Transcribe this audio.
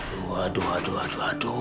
aduh aduh aduh aduh aduh